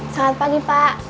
selamat pagi pak